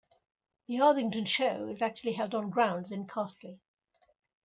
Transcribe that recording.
The Arthington Show is actually held on grounds in Castley.